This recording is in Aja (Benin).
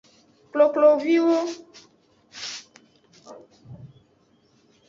Kokloviwo.